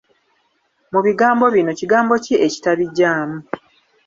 Mu bigambo bino, kigambo ki ekitabigyamu.